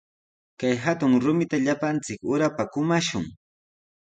Kay hatun rumita llapanchik urapa kumashun.